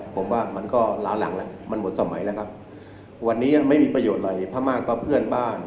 ผมว่ามันก็ล้าหลังแล้วมันหมดสมัยแล้วครับวันนี้ไม่มีประโยชน์อะไร